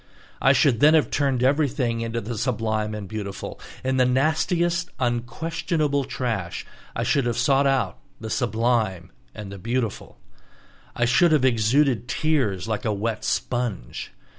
I should then have turned everything into the sublime and the beautiful; in the nastiest, unquestionable trash, I should have sought out the sublime and the beautiful. I should have exuded tears like a wet sponge.